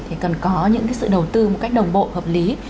thì cần có những sự đầu tư một cách đồng bộ hợp lý